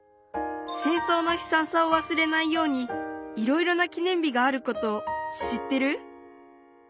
戦争のひさんさをわすれないようにいろいろな記念日があることを知ってる？